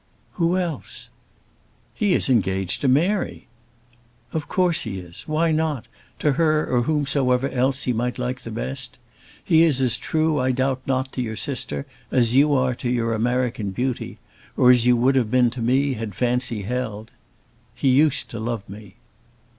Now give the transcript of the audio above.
"Who else?" "He is engaged to Mary." "Of course he is. Why not; to her or whomsoever else he might like best? He is as true I doubt not to your sister as you are to your American beauty, or as you would have been to me had fancy held. He used to love me."